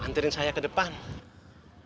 anterin saya ke depan mas bur